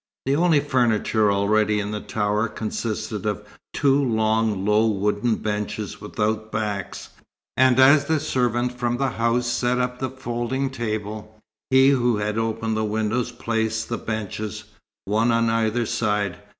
The only furniture already in the tower consisted of two long, low wooden benches without backs; and as the servant from the house set up the folding table, he who had opened the windows placed the benches, one on either side.